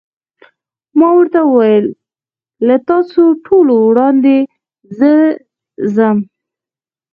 ما ورته وویل: له تاسو ټولو وړاندې زه ځم.